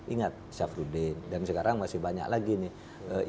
ingat syafruddin dan sekarang masih banyak lagi nih